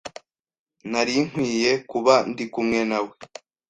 Nari nkwiye kuba ndi kumwe nawe.